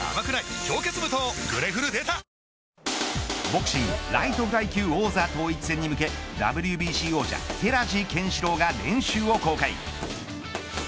ボクシングライトフライ級王座統一戦に向けＷＢＣ王者、寺地拳四朗が練習を公開。